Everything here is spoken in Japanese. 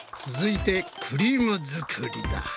続いてクリーム作りだ。